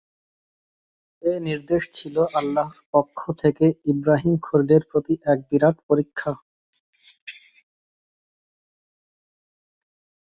এ নির্দেশ ছিল আল্লাহর পক্ষ থেকে ইবরাহীম খলীলের প্রতি এক বিরাট পরীক্ষা।